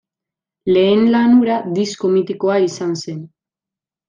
Lehen lan hura disko mitikoa izan zen.